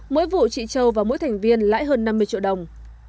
mỗi vụ chị châu và mỗi thành viên lãi hơn năm mươi triệu đồng